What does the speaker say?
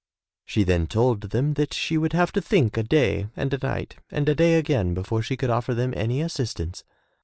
*' She then told them that she would have to think a day and a night and a day again before she could offer them any assistance.